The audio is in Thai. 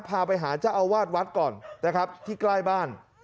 พาไปหาเจ้าอาวาสวัดก่อนนะครับที่ใกล้บ้าน